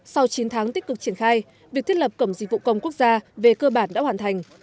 sau chín tháng tích cực triển khai việc thiết lập cổng dịch vụ công quốc gia về cơ bản đã hoàn thành